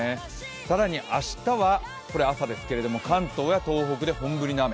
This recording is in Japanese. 更に明日は朝ですけど、関東や東北で本降りの雨。